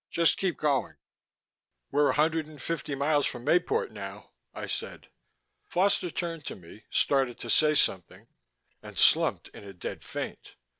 "Just keep going...." "We're a hundred and fifty miles from Mayport now," I said. Foster turned to me, started to say something and slumped in a dead faint.